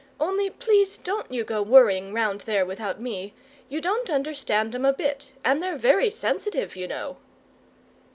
Only, please, don't you go worrying round there without me. You don't understand 'em a bit, and they're very sensitive, you know!"